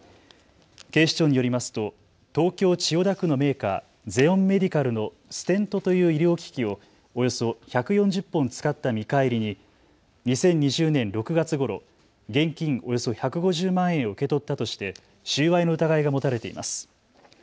警視庁によりますと東京千代田区のメーカー、ゼオンメディカルのステントという医療機器をおよそ１４０本使った見返りに２０２０年６月ごろ、現金およそ１５０万円を受け取ったとして収賄の疑いが持たれています。